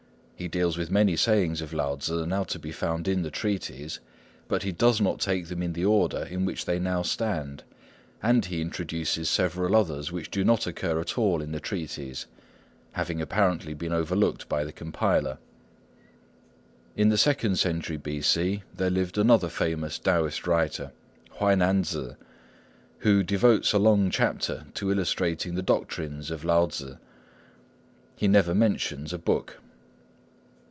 He deals with many sayings of Lao Tzŭ now to be found in the treatise, but he does not take them in the order in which they now stand, and he introduces several others which do not occur at all in the treatise, having apparently been overlooked by the compiler. In the second century B.C. there lived another famous Taoist writer, Huai nan Tzŭ, who devotes a long chapter to illustrating the doctrines of Lao Tzŭ. He never mentions a book.